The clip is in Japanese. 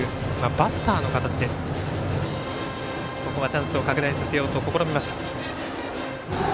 バスターの形でここはチャンスを拡大させようと試みました。